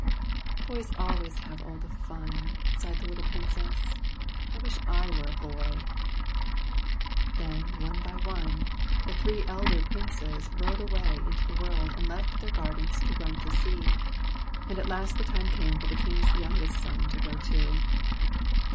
'' Boys always have all the fun," sighed the little Princess. '' I wish I were a boy !" 1/ Then, one by one, the three elder Princes rode away into the world and left their gardens to run to seed ; and at last the time came for the Kings youngest son to go too.